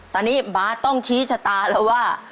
ตอนนี้บาทต้องชี้ชะตาแล้วว่า